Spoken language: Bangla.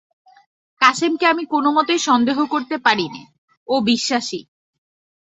কাসেমকে আমি কোনোমতেই সন্দেহ করতে পারি নে, ও বিশ্বাসী।